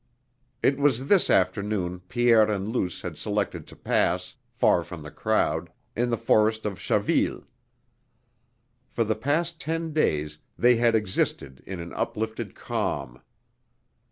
It was this afternoon Pierre and Luce had selected to pass, far from the crowd, in the forest of Chaville. For the past ten days they had existed in an uplifted calm.